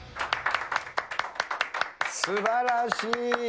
すばらしい！